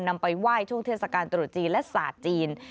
นำไปไหว้ช่วงเทศกาลตรุษจีนและศาสตร์จีน